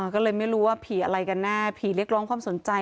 ก็เลยไม่รู้ว่าผีอะไรกันแน่ผีเรียกร้องความสนใจ